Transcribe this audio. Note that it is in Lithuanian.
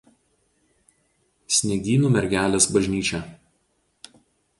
Sniegynų Mergelės bažnyčia.